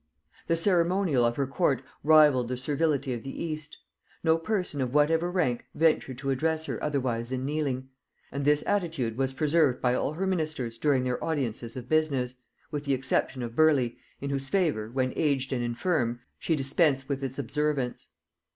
The ceremonial of her court rivalled the servility of the East: no person of whatever rank ventured to address her otherwise than kneeling; and this attitude was preserved by all her ministers during their audiences of business, with the exception of Burleigh, in whose favor, when aged and infirm, she dispensed with its observance.